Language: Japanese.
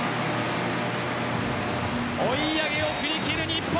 追い上げを振り切る日本。